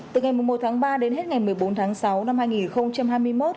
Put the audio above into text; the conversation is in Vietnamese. từ ngày một tháng ba đến hết ngày một mươi bốn tháng sáu năm hai nghìn hai mươi một